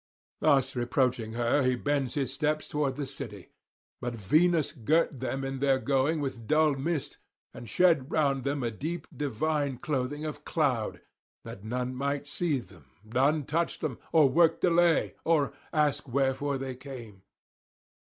Thus reproaching her he bends his steps towards the city. But Venus girt them in their going with dull mist, and shed round them a deep divine clothing of cloud, that none might see them, none touch them, or work delay, or ask wherefore they came.